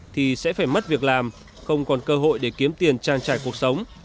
thì sẽ phải mất việc làm không còn cơ hội để kiếm tiền trang trải cuộc sống